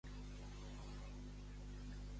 Què comenta Diodor sobre aquest esdeveniment?